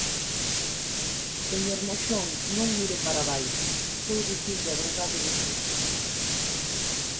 Señor Moxón, non mire para abaixo, estou dicindo a verdade dos feitos.